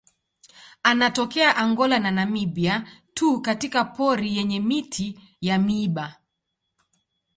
Anatokea Angola na Namibia tu katika pori yenye miti ya miiba.